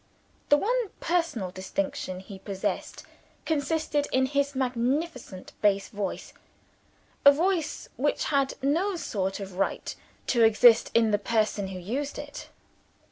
The one personal distinction he possessed consisted in his magnificent bass voice a voice which had no sort of right to exist in the person who used it.